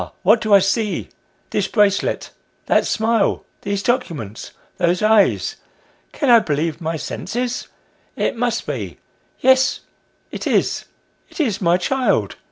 what do I see ? This bracelet ! That smile ! These documents ! Those eyes ! Can I believe my senses ? The Stage door. 8 1 It must be ! Yes it is, it is my child